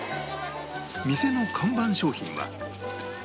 店の看板商品は